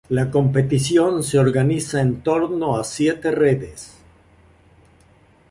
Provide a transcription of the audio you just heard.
La competición se organiza en torno a siete sedes.